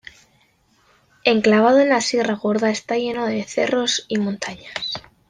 Enclavado en la Sierra Gorda, está lleno de cerros y montañas.